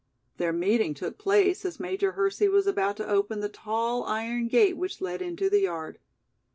Their meeting took place as Major Hersey was about to open the tall iron gate which led into the yard.